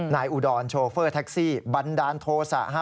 อุดรโชเฟอร์แท็กซี่บันดาลโทษะฮะ